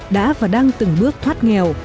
đã và đang từng bước thoát nghèo